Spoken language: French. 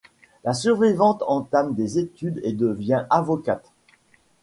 La survivante entame des études et devient avocate.